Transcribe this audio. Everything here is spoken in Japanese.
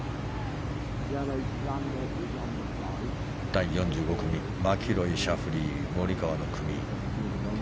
第４５組、マキロイ、シャフリーモリカワの組。